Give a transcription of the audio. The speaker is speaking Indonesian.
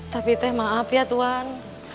tapi teh maaf ya tuhan